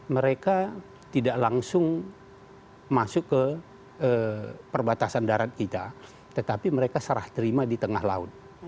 mereka tidak langsung masuk ke perbatasan darat kita tetapi mereka serah terima di tengah laut